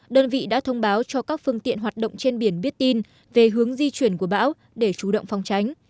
đơn vị đã thông báo cho các phương tiện hoạt động trên biển biết tin về hướng di chuyển của bão để chủ động phòng tránh